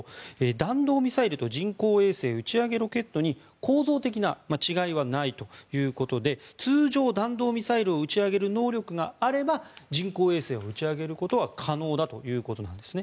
弾道ミサイルと人工衛星打ち上げロケットに構造的な違いはないということで通常、弾道ミサイルを打ち上げる能力があれば人工衛星を打ち上げることは可能だということなんです。